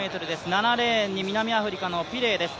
７レーンに南アフリカのピレイです